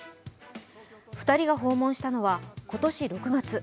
２人が訪問したのは今年６月。